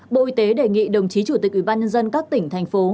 bộ y tế đề nghị đồng chí chủ tịch ubnd các tỉnh thành phố